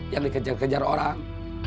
yang dikejar kejar orang